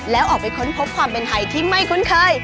แล้วออกไปค้นพบความเป็นไทยที่ไม่คุ้นเคย